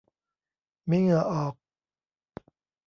มีเหงื่อออก